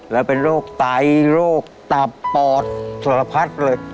เรียกเป็นโรคไตโรคตับปอดสละพัดเลย